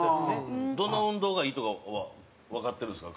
どの運動がいいとかはわかってるんですか？